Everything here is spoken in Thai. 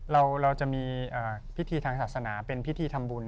เราจะมีพิธีทางศาสนาเป็นพิธีทำบุญ